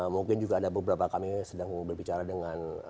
mungkin juga ada beberapa kami sedang berbicara dengan